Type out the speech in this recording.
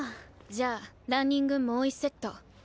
じゃあランニングもう一セット。